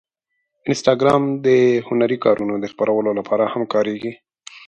انسټاګرام د هنري کارونو د خپرولو لپاره هم کارېږي.